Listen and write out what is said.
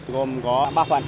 gồm có ba phần